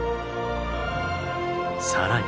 更に。